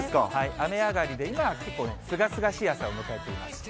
雨上がりで、今は結構ね、すがすがしい朝を迎えています。